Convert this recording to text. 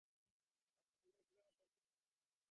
আমি জানি না কীভাবে করতে হয়।